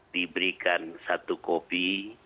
diberikan satu kopi